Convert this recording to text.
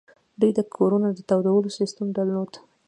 دوی د کورونو د تودولو سیستم درلود